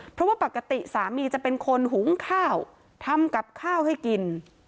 เพราะว่าปกติสามีจะเป็นคนหุงข้าวทำกับข้าวให้กิน